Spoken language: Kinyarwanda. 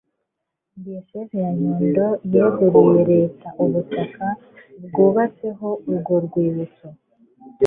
diyosezi ya nyundo yeguriye leta ubutaka bwubatseho urwo rwibutso